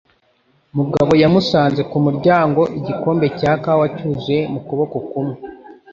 Mugabo yamusanze ku muryango, igikombe cya kawa cyuzuye mu kuboko kumwe.